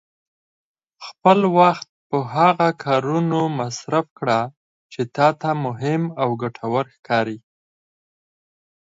خپل وخت په هغه کارونو مصرف کړه چې تا ته مهم او ګټور ښکاري.